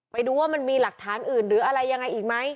ไปดูว่ามันมีหลักฐานอื่นหรืออะไรยังไงอีกไหม